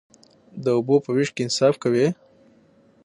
د اوبو په ویش کې انصاف کوئ؟